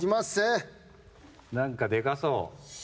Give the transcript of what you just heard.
何かでかそう。